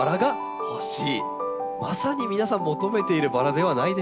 まさに皆さん求めているバラではないでしょうか。